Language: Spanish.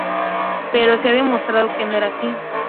Pero se ha demostrado que no era así.